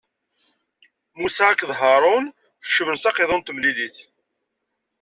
Musa akked Haṛun kecmen s aqiḍun n temlilit.